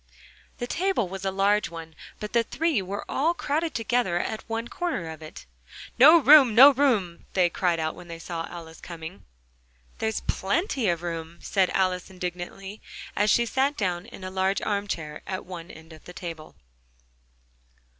The table was a large one, but the three were all crowded together at one corner of it: "No room! No room!" they cried out when they saw Alice coming. "There's plenty of room!" said Alice, indignantly, and she sat down in a large arm chair at one end of the table.